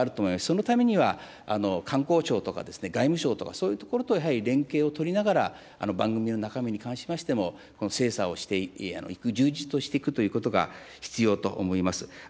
そのためには、観光庁とか外務省とか、そういうところとやはり連携を取りながら、番組の中身に関しましても精査をしていく、充実をしていくということが必要と思います。